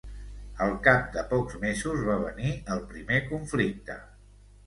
Al cap de pocs mesos va venir el primer conflicte.